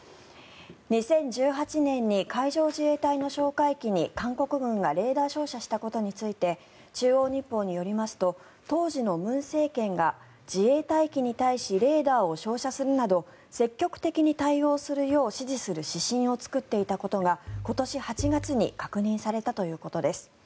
２０１８年に海上自衛隊の哨戒機に韓国軍がレーダー照射したことについて中央日報によりますと当時の文政権が自衛隊機に対してレーダーを照射するなど積極的に対応するよう指示する指針を作っていたことが今年８月に確認されたということです。